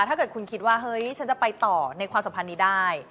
ถ้าเกิดคุณคิดว่าเฮ้ยฉันจะไปต่อในความสัมพันธ์นี้ได้